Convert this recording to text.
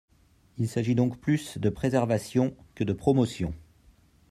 Il s’agit donc plus de préservation que de promotion.